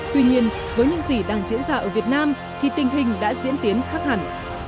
tuy nhiên với những gì đang diễn ra ở việt nam thì tình hình đã diễn tiến khác hẳn